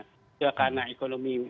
tidak karena ekonomi